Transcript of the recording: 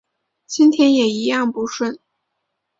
今天也一样不顺